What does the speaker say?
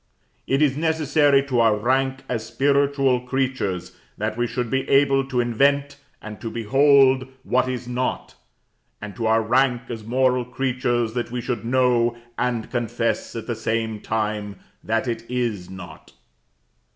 It is necessary to our rank as spiritual creatures, that we should be able to invent and to behold what is not; and to our rank as moral creatures that we should know and confess at the same time that it is not.